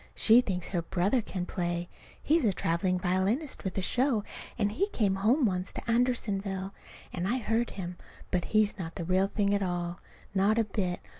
She thinks her brother can play. He's a traveling violinist with a show; and he came home once to Andersonville. And I heard him. But he's not the real thing at all. Not a bit.